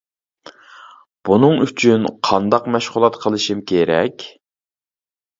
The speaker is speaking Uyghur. بۇنىڭ ئۈچۈن قانداق مەشغۇلات قىلىشىم كېرەك؟ .